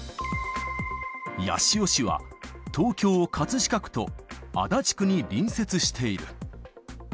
八潮市は、東京・葛飾区と足立区に隣接している。